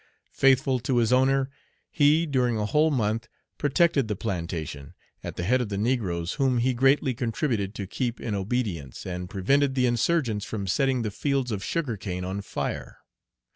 Faithful to his owner, he, during a whole month, protected the plantation, at the head of the negroes, whom he greatly contributed to keep in obedience, and prevented the insurgents from setting the fields of sugar cane on fire.